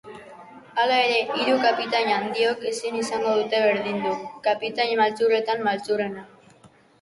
Hala ere, hiru kapitain handiok ezin izango dute berdindu kapitain maltzurretan maltzurrena.